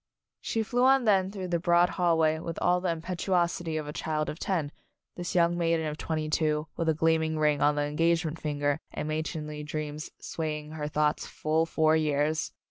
She flew on then through the broad hallway with all the impetuosity of a An Announcement Party child of ten, this young maiden of twenty two with a gleaming ring on the engage ment finger and matronly dreams sway ing her thoughts full four years!